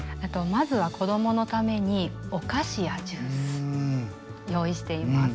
まずは子供のためにお菓子やジュース用意しています。